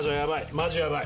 マジヤバい。